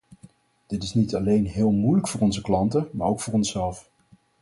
Dit is niet alleen heel moeilijk voor onze klanten maar ook voor onszelf.